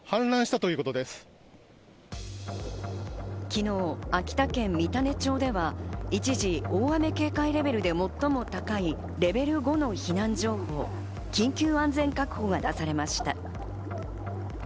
昨日、秋田県三種町では一時、大雨警戒レベルで最も高いレベル５の避難情報、緊急安全確保が出されました。